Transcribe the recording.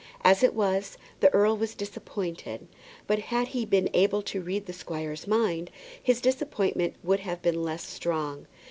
As it was, the earl was disappointed; but had he been able to read the squire's mind, his disappointment would have been less strong.